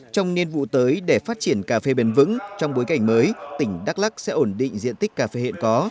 trong niên vụ tới để phát triển cà phê bền vững trong bối cảnh mới tỉnh đắk lắc sẽ ổn định diện tích cà phê hiện có